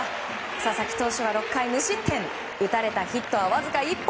佐々木投手は６回無失点打たれたヒットはわずか１本。